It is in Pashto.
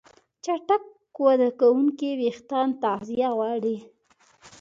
چټک وده کوونکي وېښتيان تغذیه غواړي.